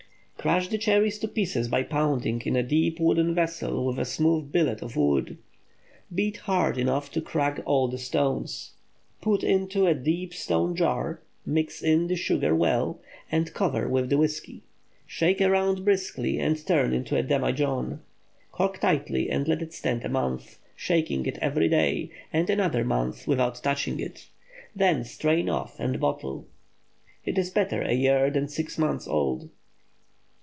Crush the cherries to pieces by pounding in a deep wooden vessel with a smooth billet of wood. Beat hard enough to crack all the stones. Put into a deep stone jar, mix in the sugar well, and cover with the whiskey. Shake around briskly and turn into a demijohn. Cork tightly and let it stand a month, shaking it every day, and another month without touching it. Then strain off and bottle. It is better a year than six months old.